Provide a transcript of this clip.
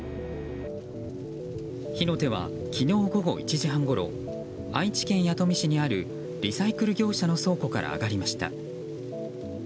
火の手は昨日午後１時半ごろ愛知県弥富市にあるリサイクル業者の倉庫から上がりました。